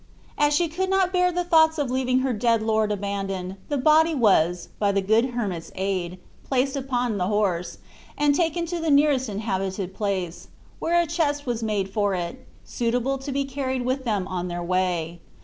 As she could not bear the thoughts of leaving her dead lord abandoned, the body was, by the good hermit's aid, placed upon the horse, and taken to the nearest inhabited place, where a chest was made for it, suitable to be carried with them on their way.